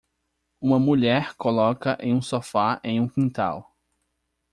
Uma mulher coloca em um sofá em um quintal.